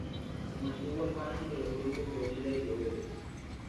Se mantuvo al margen de los grupos Florida y Boedo.